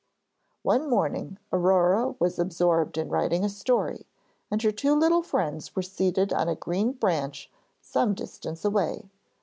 One morning Aurore was absorbed in writing a story, and her two little friends were seated on a green branch some distance away.